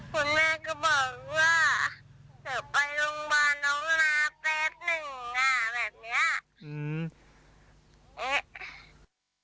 คุณแม่ก็บอกว่าเดี๋ยวไปโรงพยาบาลน้องมาแป๊บหนึ่งแบบนี้